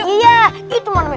iya itu man